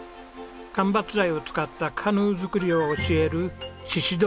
間伐材を使ったカヌー作りを教える鹿留